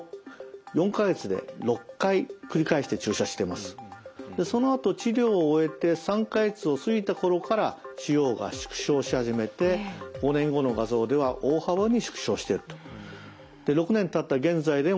でこの部分を中心にそのあと治療を終えて３か月を過ぎた頃から腫瘍が縮小し始めて５年後の画像では大幅に縮小していると。